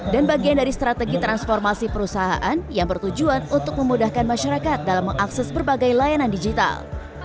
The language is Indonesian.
dan bagian dari strategi transformasi perusahaan yang bertujuan untuk memudahkan masyarakat dalam mengakses berbagai layanan digital